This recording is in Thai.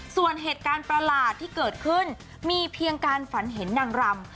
ส่วนเหตุการณ์ประหลาดที่เกิดขึ้นมีเพียงการฝันเห็นนางรำ